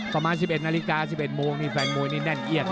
ประมาณนาฬิกา๑๑โมงฟางมุยนี้แน่นเอียดแล้ว